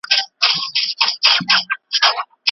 علم د پوهې مینه زیاتوي.